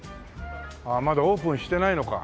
ああまだオープンしてないのか。